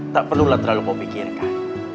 tak perlulah terlalu kau pikirkan